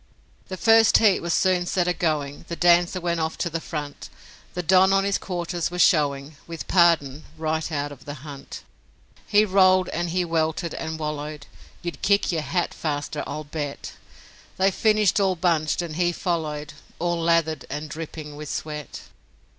The first heat was soon set a going; The Dancer went off to the front; The Don on his quarters was showing, With Pardon right out of the hunt. He rolled and he weltered and wallowed You'd kick your hat faster, I'll bet; They finished all bunched, and he followed All lathered and dripping with sweat.